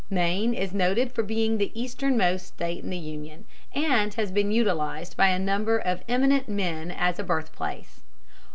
Maine is noted for being the easternmost State in the Union, and has been utilized by a number of eminent men as a birthplace.